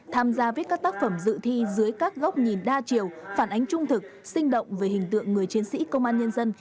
tham gia viết các tác phẩm dự thi dưới các góc nhìn đa chiều phản ánh trung thực sinh động về hình tượng người chiến sĩ công an nhân dân